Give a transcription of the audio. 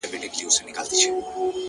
د زلفو بڼ كي د دنيا خاوند دی ـ